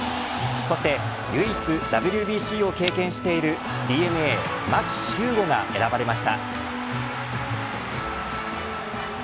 そして唯一ＷＢＣを経験しているＤｅＮＡ牧秀悟が選ばれました。